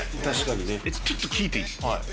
ちょっと聞いていい？